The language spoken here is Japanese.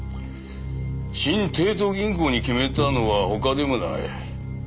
新帝都銀行に決めたのは他でもないこの私ですよ。